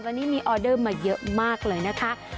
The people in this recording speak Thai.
วันนี้มีออเดอร์มาเยอะมากเลยนะคะ